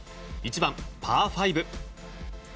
１番、パー５。